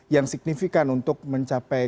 yang signifikan untuk mencapai